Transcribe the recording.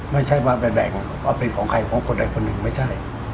ไม่ใช่ว่าไปแบ่งว่าเป็นของใครของคนใดคนหนึ่งไม่ใช่